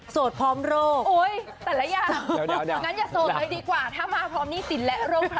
สดพรหมโรค